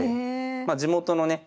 地元のね